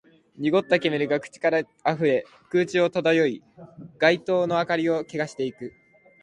濁った煙が口から漏れ、空中を漂い、街灯の明かりを汚していく